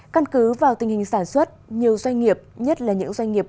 căn cứ vào tình hình sản xuất nhiều doanh nghiệp nhất là những doanh nghiệp